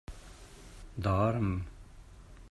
Dorm.